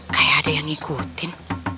kayak ada yang ngikutin